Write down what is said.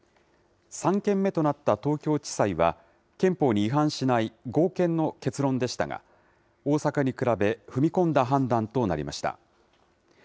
３件目となった東京地裁は、憲法に違反しない合憲の結論でしたが、大阪に比べ、踏み込んだ判断となりました。